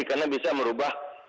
karena bisa merubah